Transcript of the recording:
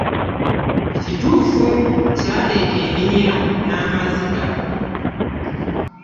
Kituufu kyaleeta eminyira n’amaziga